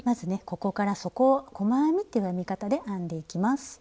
ここから底を細編みっていう編み方で編んでいきます。